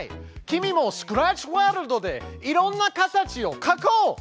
君もスクラッチワールドでいろんな形を描こう！